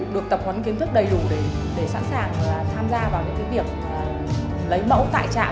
được tập huấn kiến thức đầy đủ để sẵn sàng tham gia vào những việc lấy mẫu tại trạm